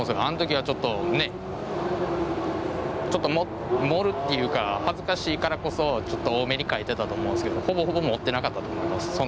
あん時はちょっとねちょっと盛るっていうか恥ずかしいからこそちょっと多めに書いてたと思うんすけどほぼほぼ持ってなかったと思います。